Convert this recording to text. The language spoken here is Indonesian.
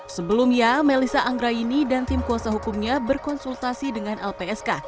sebelumnya melissa anggraini dan tim kuasa hukumnya berkonsultasi dengan lpsk